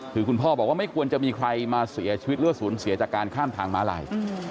คือคุณพ่อบอกว่าไม่ควรจะมีใครมาเสียชีวิตหรือว่าสูญเสียจากการข้ามทางม้าลาย